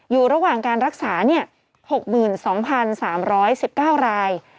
อยู่ระหว่างการรักษาเนี่ยหกหมื่นสองพันสามร้อยสิบเก้าราย